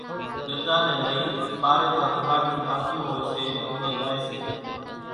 ڳڳا نين لئي ٻارين زان ڌونۿاڙيون ٿاتيون ھوئي سي اُوڃان زائي سي